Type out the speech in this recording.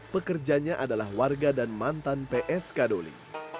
pekerjanya adalah warga dan mantan psk doli